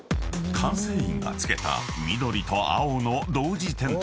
［管制員がつけた緑と青の同時点灯］